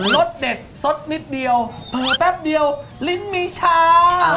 รสเด็ดสดนิดเดียวแป๊บเดียวลิ้นมีชา